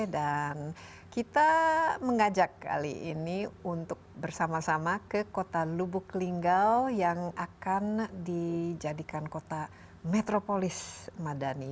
dan kita mengajak kali ini untuk bersama sama ke kota lubuk linggal yang akan dijadikan kota metropolis madani